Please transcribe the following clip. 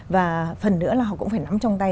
và phần nữa là họ cũng phải nắm trong tay